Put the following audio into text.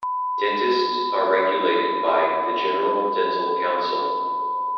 Dentists are regulated by the General Dental Council.